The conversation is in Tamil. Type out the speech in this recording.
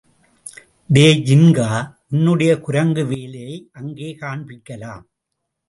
டேய் ஜின்கா, உன்னுடைய குரங்குவேலையை அங்கே காண்பிக்கலாம்.